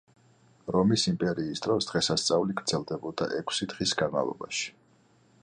რომის იმპერიის დროს დღესასწაული გრძელდებოდა ექვსი დღის განმავლობაში.